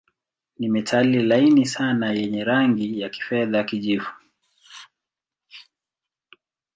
Ni metali laini sana yenye rangi ya kifedha-kijivu.